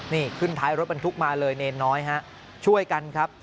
นี่ขึ้นท้ายรถบรรทุกมาเลยเนรน้อยฮะช่วยกันครับ